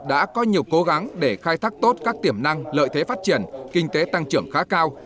đã có nhiều cố gắng để khai thác tốt các tiềm năng lợi thế phát triển kinh tế tăng trưởng khá cao